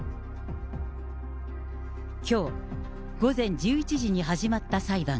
きょう午前１１時に始まった裁判。